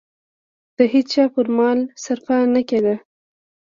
د هېچا پر مال صرفه نه کېده.